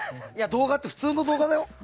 動画って、普通の動画だよ。